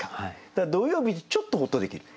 だから土曜日ちょっとほっとできる。